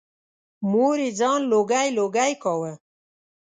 مور یې ځان لوګی لوګی کاوه.